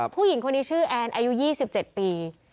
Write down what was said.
ผู้หญิงคนนี้ชื่อแอนอายุ๒๗ปี